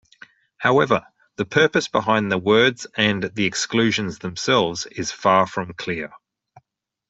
However, the purpose behind the words and the exclusions themselves is far from clear.